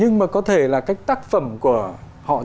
nhưng mà có thể là các tác phẩm của họ trên mạng